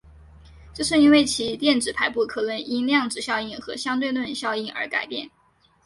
这是因为其电子排布可能因量子效应和相对论性效应而改变。